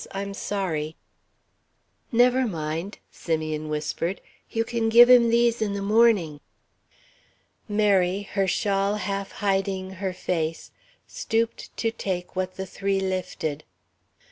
I'm sorry." "Never mind," Simeon whispered, "you can give him these in the morning." Mary, her shawl half hiding her face, stooped to take what the three lifted.